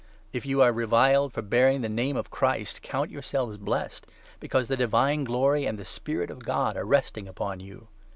If you are reviled for bearing the name of Christ, count your 14 selves blessed ; because the divine Glory and the Spirit of God are resting upon you.